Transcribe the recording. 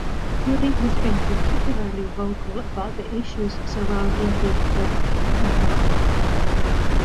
Gooding has been particularly vocal about the issues surrounding being Black on Broadway.